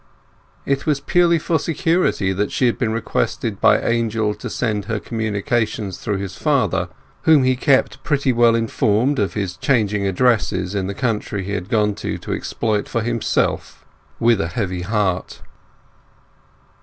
It was purely for security that she had been requested by Angel to send her communications through his father, whom he kept pretty well informed of his changing addresses in the country he had gone to exploit for himself with a heavy heart.